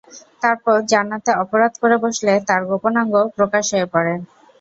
তারপর জান্নাতে অপরাধ করে বসলে তার গোপনাঙ্গ প্রকাশ হয়ে পড়ে।